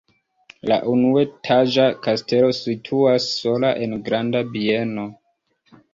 La unuetaĝa kastelo situas sola en granda bieno.